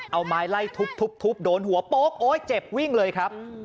เอาไม้ไล่ทุบโดนหัวโป๊กโอ๊ยเจ็บวิ่งเลยครับ